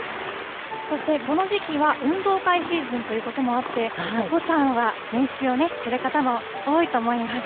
そして、この時期は運動会シーズンということもあって、お子さんは練習をすることも多いと思います。